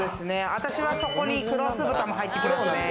私はそこに黒酢豚も入ってきます。